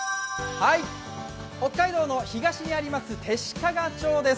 北海道の東にあります弟子屈町です。